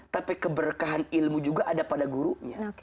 tapi keberkahan ilmu juga ada pada gurunya